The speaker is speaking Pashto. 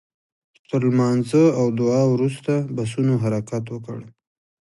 تر لمانځه او دعا وروسته بسونو حرکت وکړ.